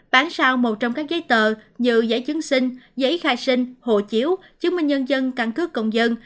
bán sao một trong các giấy tờ như giấy chứng sinh giấy khai sinh hồ chiếu chứng minh nhân dân căn cước công dân